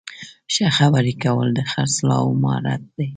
ښه خبرې کول د خرڅلاو مهارت دی.